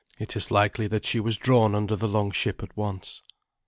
It is likely that she was drawn under the longship at once.